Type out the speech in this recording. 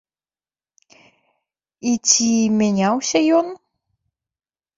І ці мяняўся ён?